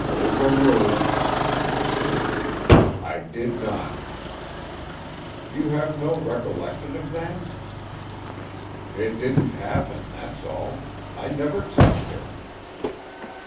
"Overruled." "I did not." "You have no recollection of that?" "It didn't happen, that's all. I never touched her."